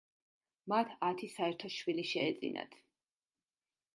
მათ ათი საერთო შვილი შეეძინათ.